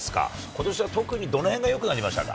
ことしは特にどのへんがよくなりましたか？